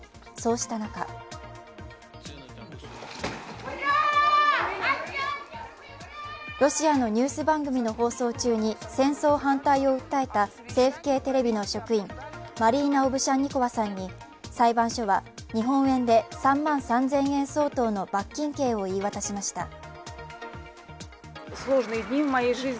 そうした中ロシアのニュース番組の放送中に戦争反対を訴えた政府系テレビの職員、マリーナ・オブシャンニコワさんに裁判所は日本円で３万３０００円相当の罰金刑を言い渡しました。